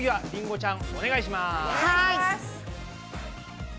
りんごちゃん？